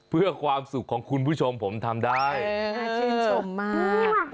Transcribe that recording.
เพื่อความสุขของคุณผู้ชมผมทำได้น่าชื่นชมมาก